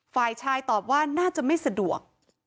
ฝ่ายชายตอบว่าน่าจะไม่สะดวก